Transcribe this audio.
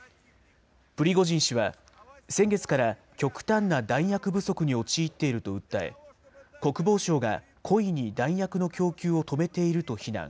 プリゴジン氏は、先月から極端な弾薬不足に陥っていると訴え、国防省が故意に弾薬の供給を止めていると非難。